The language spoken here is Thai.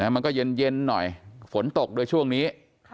มันก็เย็นหน่อยฝนตกด้วยช่วงนี้